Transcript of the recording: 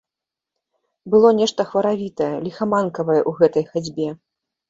Было нешта хваравітае, ліхаманкавае ў гэтай хадзьбе.